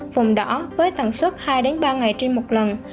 vùng đỏ với tầng suất hai ba ngày trên một lần